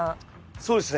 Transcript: そうですね。